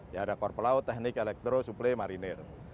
ya ada korb laut teknik elektro suplai marinir